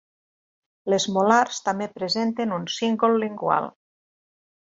Les molars també presenten un cíngol lingual.